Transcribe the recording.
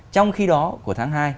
trong khi đó của tháng hai